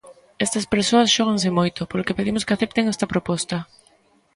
Estas persoas xóganse moito, polo que pedimos que acepten esta proposta.